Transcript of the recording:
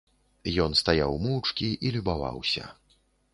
Ён стаяў моўчкі і любаваўся.